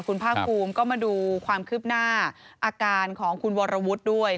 คุณภาคภูมิก็มาดูความคืบหน้าอาการของคุณวรวุฒิด้วย